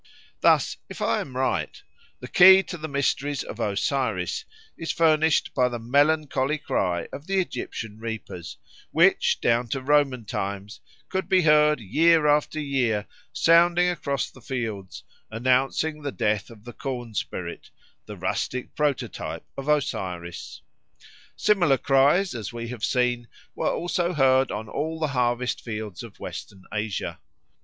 Thus, if I am right, the key to the mysteries of Osiris is furnished by the melancholy cry of the Egyptian reapers, which down to Roman times could be heard year after year sounding across the fields, announcing the death of the corn spirit, the rustic prototype of Osiris. Similar cries, as we have seen, were also heard on all the harvest fields of Western Asia.